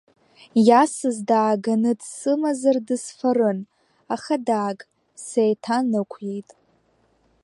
Иасыз дааганы дсымазар дысфарын, аха дааг, сеиҭанықәиеит.